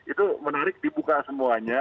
itu menarik dibuka semuanya